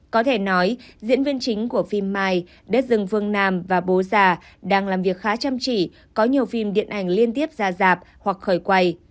có thể nói diễn viên chính của phim mai đất rừng vương nam và bố già đang làm việc khá chăm chỉ có nhiều phim điện ảnh liên tiếp ra dạp hoặc khởi quầy